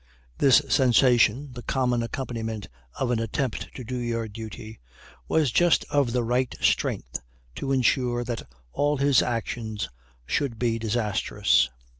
This sensation, the common accompaniment of an attempt to do your duty, was just of the right strength to ensure that all his actions should be disastrous.